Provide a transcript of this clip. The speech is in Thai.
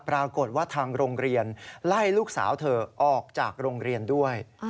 ปรากฏว่าทางโรงเรียนไล่ลูกสาวเธอออกจากโรงเรียนด้วย